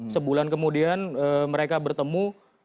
sebulan kemudian mereka bertemu